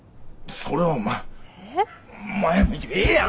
それはお前お前ええやろ！